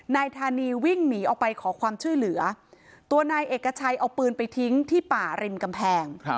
นายธานีวิ่งหนีออกไปขอความช่วยเหลือตัวนายเอกชัยเอาปืนไปทิ้งที่ป่าริมกำแพง